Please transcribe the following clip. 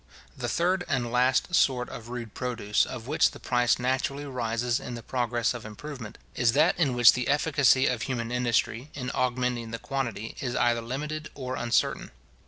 —The third and last sort of rude produce, of which the price naturally rises in the progress of improvement, is that in which the efficacy of human industry, in augmenting the quantity, is either limited or uncertain.